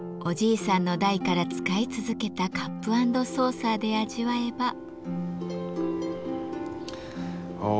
おじいさんの代から使い続けたカップ・アンド・ソーサーで味わえば。